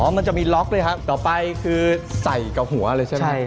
อ๋อมันจะมีล็อกเลยครับต่อไปคือใส่กับหัวอะไรใช่ไหมใช่